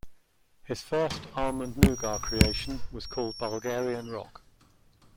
His first almond noughat creation was called Bulgarian Rock.